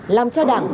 làm cho đảng